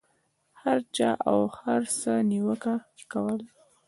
د هر چا او هر څه نیوکه کول.